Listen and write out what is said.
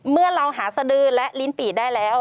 เมื่อเราหาสดือและลิ้นปี่ได้แล้ว